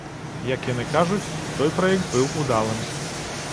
Як яны кажуць, той праект быў удалым.